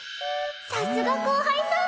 さすが後輩さん！